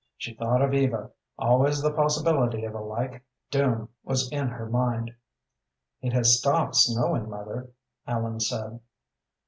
She thought of Eva. Always the possibility of a like doom was in her own mind. "It has stopped snowing, mother," Ellen said.